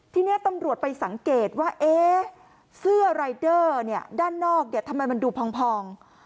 ทีนี้ตำรวจไปสังเกตว่าเสื้อรายเดอร์ด้านนอกเนี่ยทำไมมันดูพอง